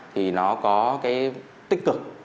thì nó có cái tích cực